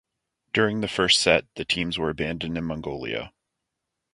During the first set, the teams were abandoned in Mongolia.